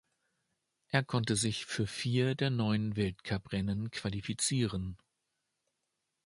Er konnte sich für vier der neun Weltcuprennen qualifizieren.